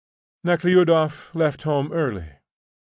Nekhludoff left home early.